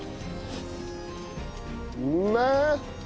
うめえ！